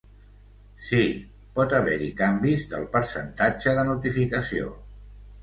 Sí, pot haver-hi canvis del percentatge de notificació.